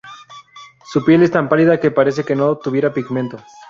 Su piel es tan pálida que parece que no tuviera pigmento.